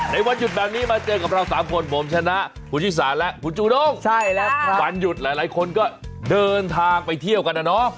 วันหยุดแบบนี้มาเจอกับเรา๓คนผมชนะคุณชิสาและคุณจูด้งวันหยุดหลายคนก็เดินทางไปเที่ยวกันนะเนาะ